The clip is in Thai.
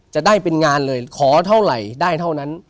จะได้เป็นงานเลยขอเท่าไหร่ได้เท่านั้น